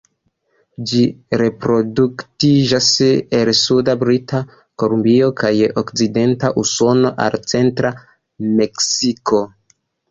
Ĝi reproduktiĝas el suda Brita Kolumbio kaj okcidenta Usono al centra Meksiko.